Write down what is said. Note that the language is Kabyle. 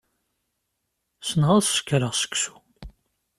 Ssneɣ ad sekreɣ seksu.